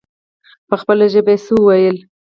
په خپله ژبه يې څه ويل.